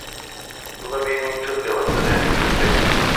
Todavía hay mucho que avanzar en este aspecto.